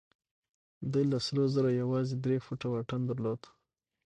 دوی له سرو زرو يوازې درې فوټه واټن درلود.